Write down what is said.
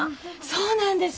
そうなんですよ。